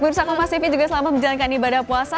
bersama kompas tv juga selamat menjalankan ibadah puasa